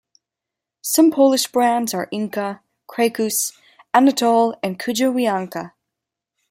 Some Polish brands are Inka, Krakus, Anatol and Kujawianka.